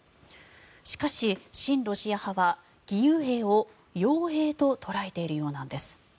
しかし、親ロシア派は義勇兵を傭兵と捉えているようなんです。